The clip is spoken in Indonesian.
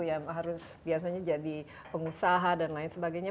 yang harus biasanya jadi pengusaha dan lain sebagainya